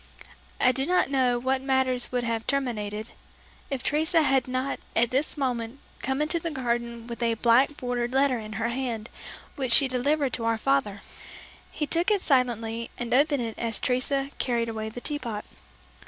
I do not know how matters would have terminated, if Teresa had not at this moment come into the garden with a black bordered letter in her hand which she delivered to our father. He took it silently and opened it as Teresa carried away the tea pot.